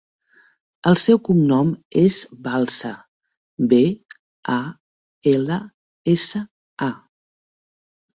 El seu cognom és Balsa: be, a, ela, essa, a.